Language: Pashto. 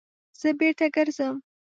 _زه بېرته ګرځم.